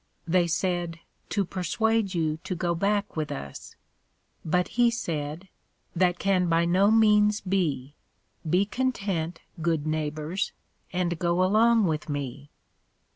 They said, To persuade you to go back with us. But he said, That can by no means be; be content, good Neighbors, and go along with me.